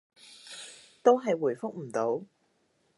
都係回覆唔到